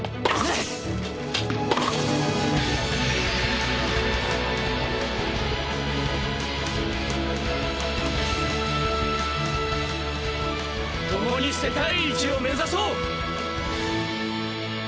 共に世界一を目指そう！